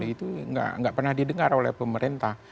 itu nggak pernah didengar oleh pemerintah